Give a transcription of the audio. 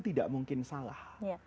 tidak mungkin salah